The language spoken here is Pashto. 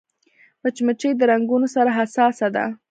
مچمچۍ د رنګونو سره حساسه ده